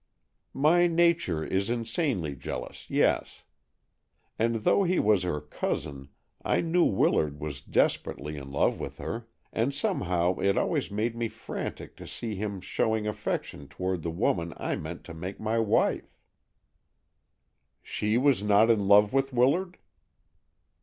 "My nature is insanely jealous, yes. And though he was her cousin, I knew Willard was desperately in love with her, and somehow it always made me frantic to see him showing affection toward the woman I meant to make my wife." "She was not in love with Willard?"